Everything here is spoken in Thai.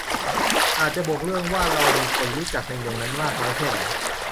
อาจจะบวกเรื่องว่าเรามีคนรู้จักในเมืองนั้นมากน้อยแค่ไหน